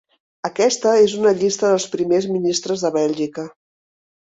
Aquesta és una llista dels primers ministres de Bèlgica.